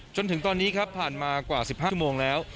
จนถึงตอนนี้ครับผ่านมากว่า๑๕โมงแล้ว